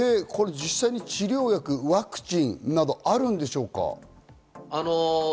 実際に治療薬、ワクチンなどはあるでしょうか？